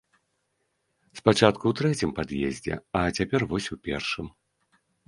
Спачатку ў трэцім пад'ездзе, а цяпер вось у першым.